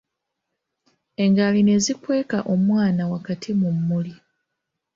Ngaali ne zikweka omwana wakati mu mmuli.